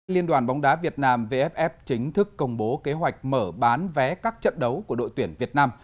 liên đoàn bóng đá việt nam vff chính thức công bố kế hoạch mở bán vé các trận đấu của đội tuyển việt nam